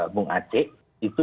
bung aceh itu